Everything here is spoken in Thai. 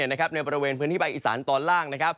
ในบริเวณพื้นที่ภาคอีสานตอนล่าง